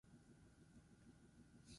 Antzerkigintzan aritu zen batez ere.